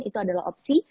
itu adalah opsi